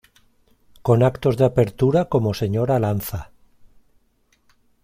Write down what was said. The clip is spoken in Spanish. Con actos de apertura como Señora Lanza.